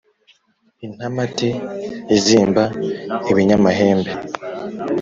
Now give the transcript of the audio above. Intamati izimba ibinyamahembe,